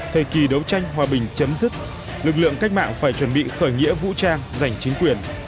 thời kỳ đấu tranh hòa bình chấm dứt lực lượng cách mạng phải chuẩn bị khởi nghĩa vũ trang giành chính quyền